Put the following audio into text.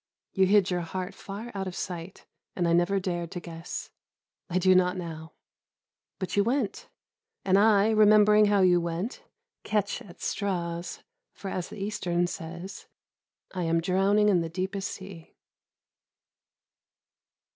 You hid your heart far out of sight, and I never dared to guess I do not now. But you went, and I, remembering how you went, catch at straws; for, as the Eastern says, I am drowning in the deepest sea.